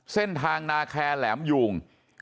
เส้นทางนาแคร์แหลมยุง